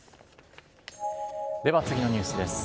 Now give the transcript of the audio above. では次のニュースです。